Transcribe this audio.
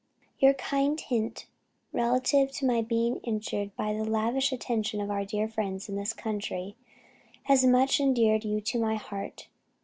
"Your kind hint relative to my being injured by the lavish attention of our dear friends in this country, has much endeared you to my heart.